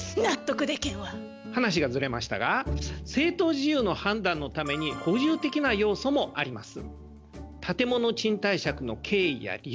話がずれましたが正当事由の判断のために補充的な要素もあります。